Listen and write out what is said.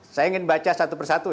saya ingin baca satu persatu